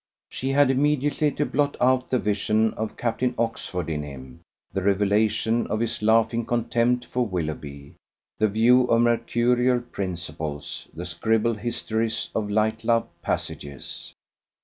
She had immediately to blot out the vision of Captain Oxford in him, the revelation of his laughing contempt for Willoughby, the view of mercurial principles, the scribbled histories of light love passages.